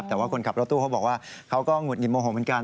แต่ว่าคนขับรถตู้เขาบอกว่าเขาก็หงุดหงิดโมโหเหมือนกัน